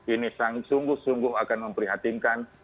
ini sungguh sungguh akan memprihatinkan